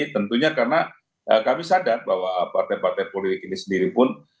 tentunya karena kami sadar bahwa partai partai politik ini sendiri pun